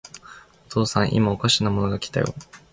お父さん、いまおかしなものが来たよ。